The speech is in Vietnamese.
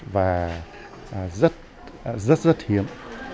và rất rất hiếm